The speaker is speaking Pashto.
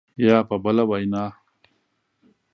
یا په بله وینا